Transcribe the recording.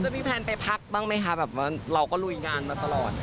พี่แพนไปพักบ้างมั้ยคะแบบเราก็ลุยงานมาตลอด